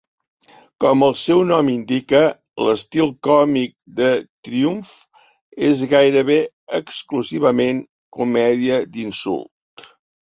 Com el seu nom indica, l'estil còmic de Triumph és gairebé exclusivament comèdia d'insult.